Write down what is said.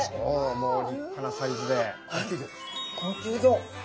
もう立派なサイズで高級魚！